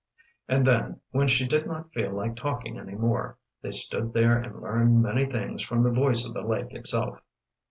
And then, when she did not feel like talking any more, they stood there and learned many things from the voice of the lake itself.